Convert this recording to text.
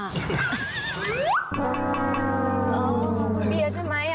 เออคุณเบียร์ใช่ไหม